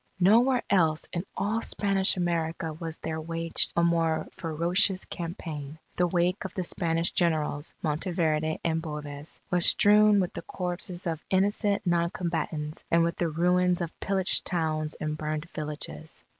Nowhere else in all Spanish America was there waged a more ferocious campaign. The wake of the Spanish Generals, Monteverde and Boves, was strewn with the corpses of innocent non combatants and with the ruins of pillaged towns and burned villages.